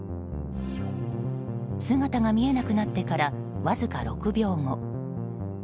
姿が見えなくなってからわずか６秒後。